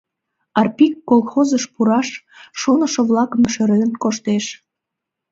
Арпик колхозыш пураш шонышо-влакым шӧрен коштеш.